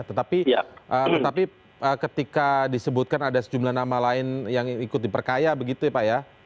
tetapi ketika disebutkan ada sejumlah nama lain yang ikut diperkaya begitu ya pak ya